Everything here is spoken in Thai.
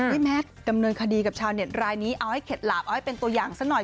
แมทดำเนินคดีกับชาวเน็ตรายนี้เอาให้เข็ดหลาบเอาให้เป็นตัวอย่างซะหน่อย